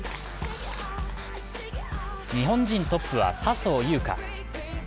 日本人トップは笹生優花。